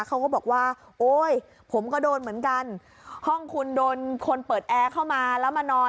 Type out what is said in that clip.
เขาก็บอกว่าโอ๊ยผมก็โดนเหมือนกันห้องคุณโดนคนเปิดแอร์เข้ามาแล้วมานอน